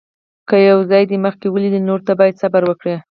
که یو ځای دې مخکې ولید، نورو ته باید صبر وکړې.